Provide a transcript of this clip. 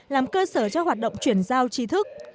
làm cơ sở cho hoạt động chuyển giao trí thức